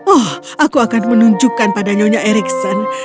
oh aku akan menunjukkan pada nyonya ericson